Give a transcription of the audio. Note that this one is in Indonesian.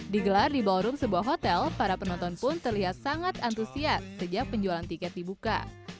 digelar di ballroom sebuah hotel para penonton pun terlihat sangat antusias sejak penjualan tiket dibuka